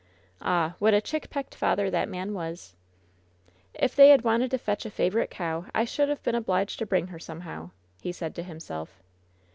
Ah, what a chickpecked father that man was ! "If they had wanted to fetch a favorite cow, I should have been obliged to bring her somehow," he said to himself.